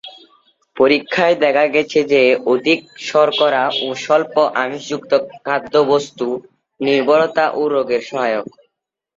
পরীক্ষায় দেখা গেছে যে, অধিক শর্করা ও স্বল্প আমিষযুক্ত খাদ্যবস্ত্ত নির্ভরতা এ রোগের সহায়ক।